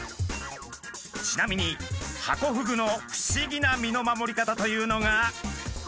ちなみにハコフグの不思議な身の守り方というのが。